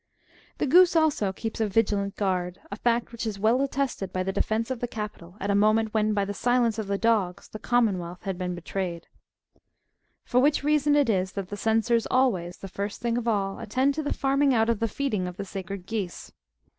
The goose also keeps a vigilant guard ; a fact which is well attested by the defence of the Capitol, at a moment when, by the silence of the dogs, the commonwealth had been betrayed :^^ for which reason it is that the Censors always, the first thing of all, attend to the farming out of the feeding of the sacred geese.